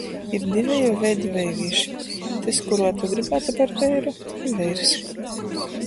Ir diveju veidu veirīši - tys, kuruo tu grybātu par veiru, i veirs...